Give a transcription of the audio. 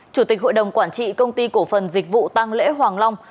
chủ tịch hội đồng quản trị công ty cổ phần dịch vụ tăng lễ hoàng long